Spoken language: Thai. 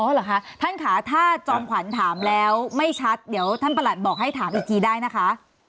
เหรอคะท่านค่ะถ้าจอมขวัญถามแล้วไม่ชัดเดี๋ยวท่านประหลัดบอกให้ถามอีกทีได้นะคะ